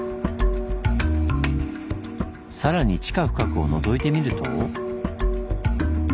さらに地下深くをのぞいてみると。